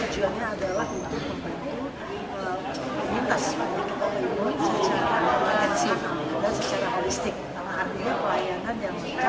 fasilitas ini tujuannya adalah untuk membantu lintas